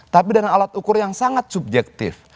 tapi dengan alat ukur yang sangat subjektif